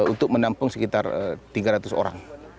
untuk menampung sekitar tiga ratus orang